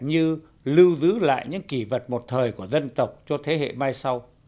như lưu giữ lại những kỷ vật một thời của dân tộc cho thế hệ mai sau